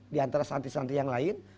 di antara santri santri yang lain